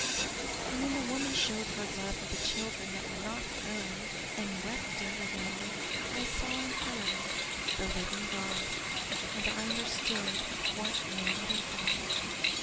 And when the woman showed her love for the children that were not her own, and wept over them, I saw in her the living God and understood What men live by.